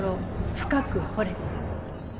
深く掘れ